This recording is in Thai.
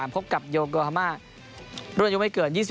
พบกับโยโกฮามารุ่นอายุไม่เกิน๒๐